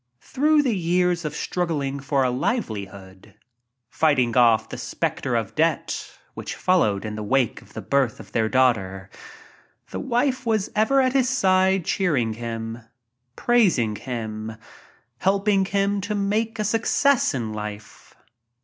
Through the years of struggling for a livelihood, fighting off the spectre of debt which followed in the wake of the birth of their baby, the wife was ever at his side cheering him, praising him, helping him to make a success in life.